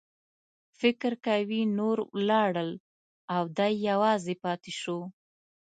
فکر کوي نور ولاړل او دی یوازې پاتې شو.